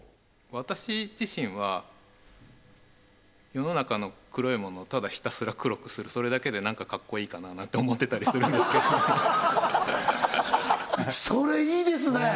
私自身は世の中の黒いものをただひたすら黒くするそれだけで何かかっこいいかななんて思ってたりするんですけどそれいいですね！